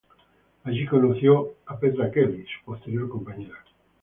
Allí conoció a Petra Kelly, su posterior compañera.